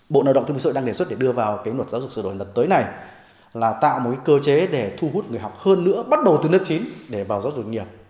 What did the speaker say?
bộ nào động thương minh sự đang đề xuất để đưa vào luật giáo dục sửa đổi lần tới này là tạo một cơ chế để thu hút người học hơn nữa bắt đầu từ lớp chín để vào giáo dục nghiệp